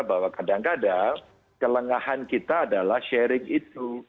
bahwa kadang kadang kelengahan kita adalah sharing itu